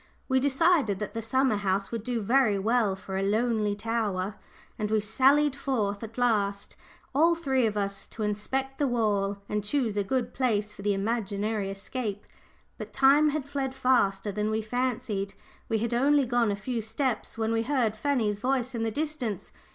We decided that the summer house would do very well for the lonely tower, and we sallied forth at last, all three of us, to inspect the wall and choose a good place for the imaginary escape. But time had fled faster than we fancied; we had only gone a few steps, when we heard Fanny's voice in the distance.